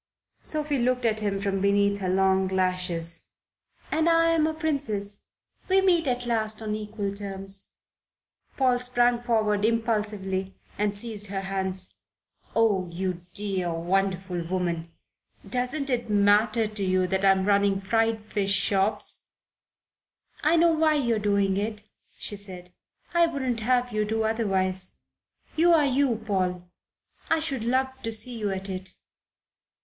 Sophie looked at him from beneath her long lashes. "And I am a princess. We meet at last on equal terms." Paul sprang forward impulsively and seized her hands. "Oh, you dear, wonderful woman! Doesn't it matter to you that I'm running fried fish shops?" "I know why you're doing it," she said. "I wouldn't have you do otherwise. You are you, Paul. I should love to see you at it.